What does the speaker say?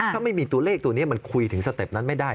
ถ้าไม่มีตัวเลขตัวนี้มันคุยถึงสเต็ปนั้นไม่ได้